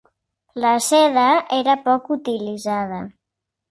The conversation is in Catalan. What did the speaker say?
La seda era poc utilitzada.